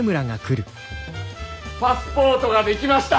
パスポートが出来ました！